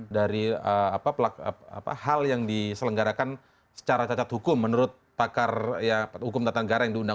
dari hal yang diselenggarakan secara cacat hukum menurut pakar hukum tata negara yang diundang